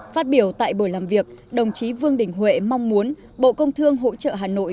phát biểu tại buổi làm việc đồng chí vương đình huệ mong muốn bộ công thương hỗ trợ hà nội